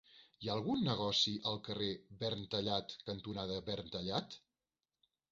Hi ha algun negoci al carrer Verntallat cantonada Verntallat?